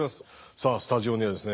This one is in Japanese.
さあスタジオにはですね